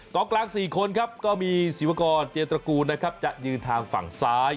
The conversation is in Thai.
กลางกลาง๔คนครับก็มีศิวากรเจตระกูลนะครับจะยืนทางฝั่งซ้าย